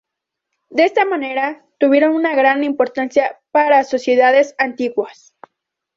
De esta manera, tuvieron una gran importancia para sociedades antiguas.